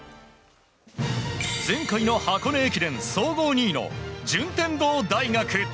前回の箱根駅伝総合２位の順天堂大学。